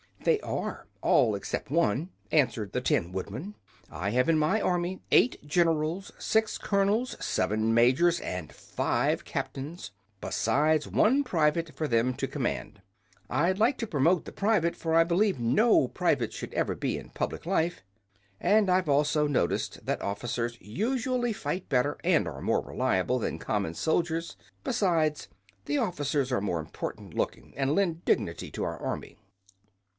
"They are, all except one," answered the Tin Woodman. "I have in my Army eight Generals, six Colonels, seven Majors and five Captains, besides one private for them to command. I'd like to promote the private, for I believe no private should ever be in public life; and I've also noticed that officers usually fight better and are more reliable than common soldiers. Besides, the officers are more important looking, and lend dignity to our army."